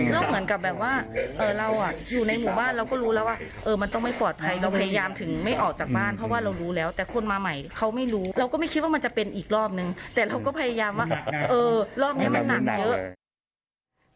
ก็เหมือนกับแบบว่าเราอยู่ในหมู่บ้านเราก็รู้แล้วว่ามันต้องไม่ปลอดภัยเราพยายามถึงไม่ออกจากบ้านเพราะว่าเรารู้แล้วแต่คนมาใหม่เขาไม่รู้เราก็ไม่คิดว่ามันจะเป็นอีกรอบนึงแต่เราก็พยายามว่าเออรอบนี้มันหนักเยอะ